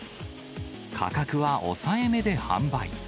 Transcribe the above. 価格は抑えめで販売。